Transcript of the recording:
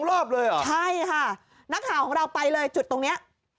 รอบเลยเหรอใช่ค่ะนักข่าวของเราไปเลยจุดตรงนี้